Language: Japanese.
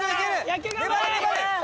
野球頑張れ！